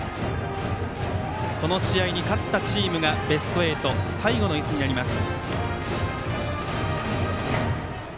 この試合に勝ったチームがベスト８最後のいすになります。